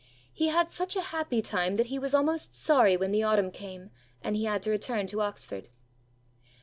He had such a happy time that he was almost sorry when the autumn came and he had to return to Oxford.